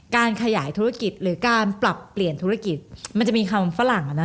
การขยายธุรกิจหรือการปรับเปลี่ยนธุรกิจมันจะมีคำฝรั่งอ่ะนะ